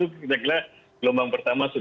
kita gila lombang pertahanan